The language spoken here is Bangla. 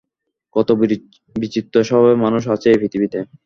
কত বিচিত্র স্বভাবের মানুষ আছে এই পৃথিবীতে।